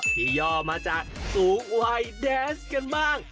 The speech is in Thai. ย่อมาจากสูงวัยแดนส์กันบ้าง